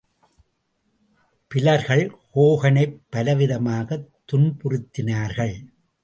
பிலர்கள் ஹோகனைப் பலவிதமாகத் துன்புறுத்தினார்கள்.